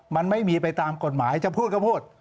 มันไม่มีไปตามกฎหมายจะพูดก็พูด